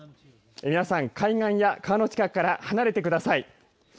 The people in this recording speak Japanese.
皆さん、海岸や川の近くから離れてください。